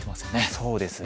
そうですね。